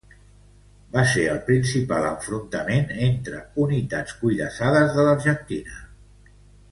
Va ser el principal enfrontament entre unitats cuirassades de l'Argentina.